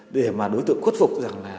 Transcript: để mà đối tượng khuất phục